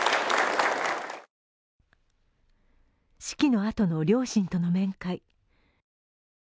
式のあとの両親との面会。